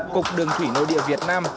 cục đường thủy nội địa việt nam